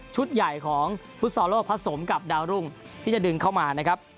ใหญ่ของฟุตซอลโลกผสมกับดาวรุ่งที่จะดึงเข้ามานะครับ